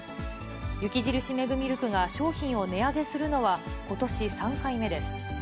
雪印メグミルクが商品を値上げするのは、ことし３回目です。